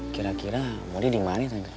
kira kira mondi dimana ya tante